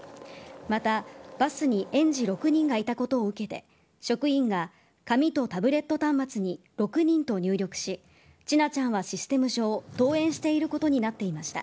また、バスに園児６人がいたことを受けて職員が紙とタブレット端末に６人と入力し千奈ちゃんはシステム上登園していることになっていました。